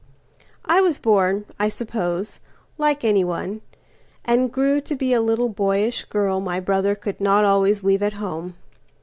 I was born, I suppose, like anyone, And grew to be a little boyish girlMy brother could not always leave at home.